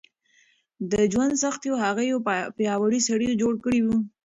د ژوند سختیو هغه یو پیاوړی سړی جوړ کړی و.